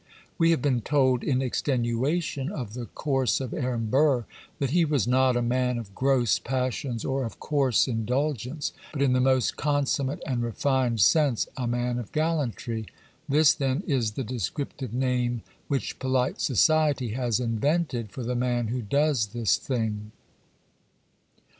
We have been told, in extenuation of the course of Aaron Burr, that he was not a man of gross passions or of coarse indulgence, but in the most consummate and refined sense a man of gallantry: this, then, is the descriptive name which polite society has invented for the man who does this thing.